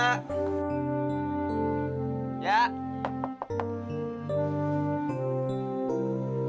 aku disini lang di atas